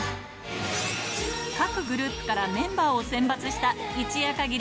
各グループからメンバーを選抜した、一夜かぎり！